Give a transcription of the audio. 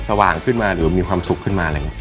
ว่างขึ้นมาหรือมีความสุขขึ้นมาอะไรอย่างนี้